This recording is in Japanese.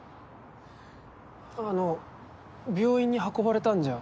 あの病院に運ばれたんじゃ。